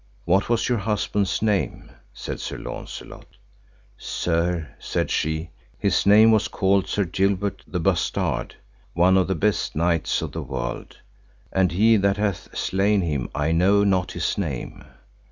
What was your husband's name? said Sir Launcelot. Sir, said she, his name was called Sir Gilbert the Bastard, one of the best knights of the world, and he that hath slain him I know not his name.